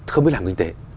không biết làm kinh tế